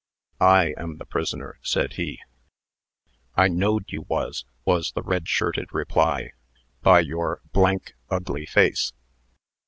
"I am the prisoner," said he. "I knowed you wos," was the red shirted reply, "by your ugly face."